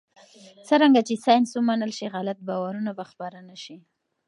څرنګه چې ساینس ومنل شي، غلط باورونه به خپاره نه شي.